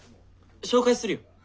紹介するよ。